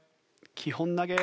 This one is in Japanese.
基本投げ。